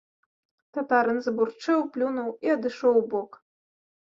Татарын забурчэў, плюнуў і адышоў убок.